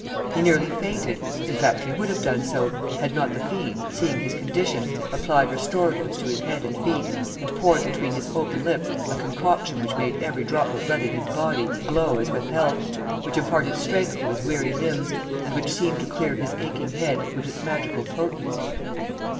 He nearly fainted, in fact he would have done so had not the fiend seeing his condition applied restoratives to his head and feet, and poured between his open lips a concoction which made every drop of blood in his body glow as with health, which imparted strength to his weary limbs, and which seemed to clear his aching head with its magical potence.